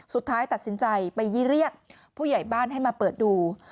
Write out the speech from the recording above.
สุดท้ายตัดสินใจไปเรียกผู้ใหญ่บ้านให้มาเปิดดู